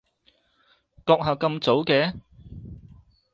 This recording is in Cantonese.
閣下咁早嘅？